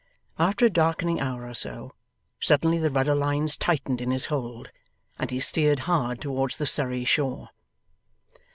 After a darkening hour or so, suddenly the rudder lines tightened in his hold, and he steered hard towards the Surrey shore.